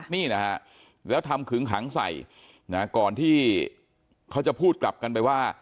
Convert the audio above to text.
นี่นะฮะแล้วทำขึงขังใส่นะก่อนที่เขาจะพูดกลับกันไปว่า